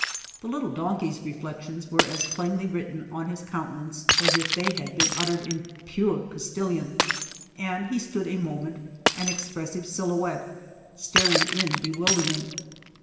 The little donkey's reflections were as plainly written on his countenance as if they had been uttered in pure Castilian as he stood a mo ment, an expressive silhouette, staring in be wilderment.